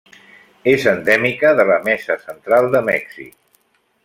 És endèmica de la Mesa Central de Mèxic.